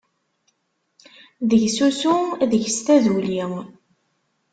Deg-s usu, deg-s taduli.